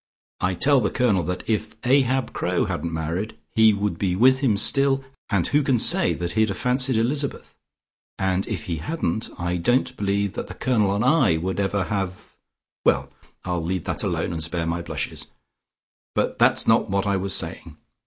I tell the Colonel that if Ahab Crowe hadn't married, he would be with him still, and who can say that he'd have fancied Elizabeth? And if he hadn't, I don't believe that the Colonel and I would ever have well, I'll leave that alone, and spare my blushes. But that's not what I was saying.